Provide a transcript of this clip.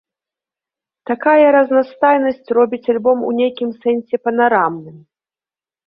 Такая разнастайнасць робіць альбом у нейкім сэнсе панарамным.